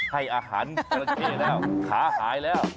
ให้อาหารจราเข้แล้วขาหายแล้ว